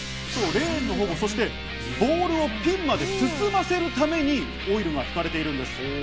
レーンの保護、そしてボールをピンまで進ませるためにオイルが引かれているんです。